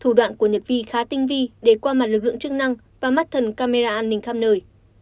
thủ đoạn của nhật vi khá tinh vi để qua mặt lực lượng chức năng và mắt thần camera an ninh khắp nơi